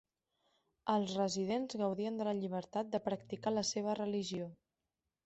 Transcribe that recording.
Els residents gaudien de la llibertat de practicar la seva religió.